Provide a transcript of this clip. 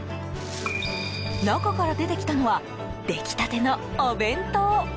中から出てきたのはできたてのお弁当。